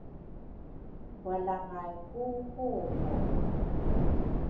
Walangay ku hungu